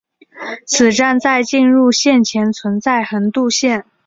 此站在进入线前存在横渡线。